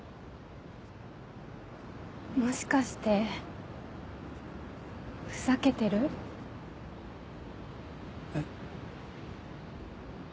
もしかしてふざけてる？えっ？